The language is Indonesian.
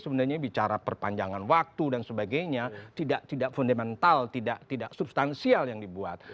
sebenarnya bicara perpanjangan waktu dan sebagainya tidak fundamental tidak substansial yang dibuat